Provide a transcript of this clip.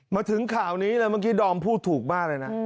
มาถึงข่าวนี้เลยเมื่อกี้ดอมพูดถูกมากเลยนะ